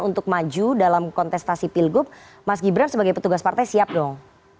untuk maju dalam kontestasi pilgub mas gibran sebagai petugas partai siap dong